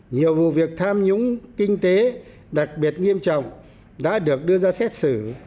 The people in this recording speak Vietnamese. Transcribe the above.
nhiều vụ việc tham nhũng kinh tế đặc biệt nghiêm trọng đã được đưa ra xét xử